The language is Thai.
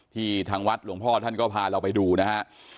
ทางวัดหลวงพ่อท่านก็พาเราไปดูนะฮะ